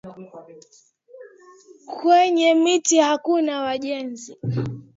Kwenye miti hakuna wajenzi